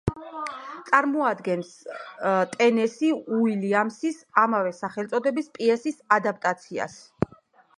წარმოადგენს ტენესი უილიამსის ამავე სახელწოდების პიესის ადაპტაციას.